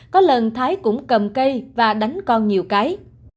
có lần thái cũng cầm cây và đánh con nhiều cái